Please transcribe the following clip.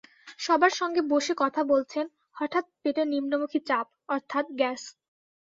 সবার সঙ্গে বসে কথা বলছেন, হঠাৎ পেটে নিম্নমুখী চাপ, অর্থাৎ গ্যাস।